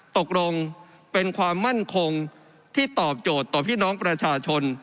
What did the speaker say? ตกลงเป็นความมั่นคงที่ตอบโจทย์ต่อพี่น้องประชาชน